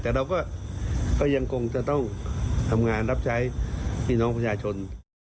แต่เราก็ยังคงจะต้องทำงานรับใช้พี่น้องประชาชน